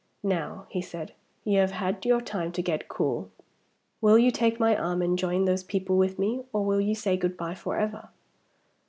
"Now," he said, "you have had your time to get cool. Will you take my arm, and join those people with me? or will you say good by forever?"